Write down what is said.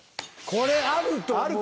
これあると思う。